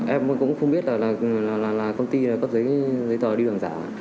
em cũng không biết là công ty cấp giấy tờ đi đường giả